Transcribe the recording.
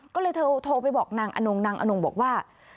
ก็เลยโทรไปบอกนางอนงนางอนงบอกว่า